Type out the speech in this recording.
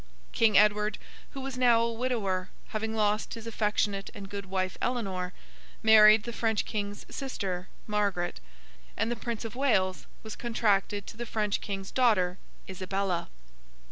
King Edward, who was now a widower, having lost his affectionate and good wife, Eleanor, married the French King's sister, Margaret; and the Prince of Wales was contracted to the French King's daughter Isabella.